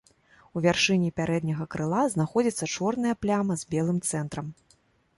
У вяршыні пярэдняга крыла знаходзіцца чорная пляма з белым цэнтрам.